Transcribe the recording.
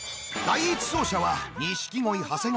第１走者は錦鯉長谷川。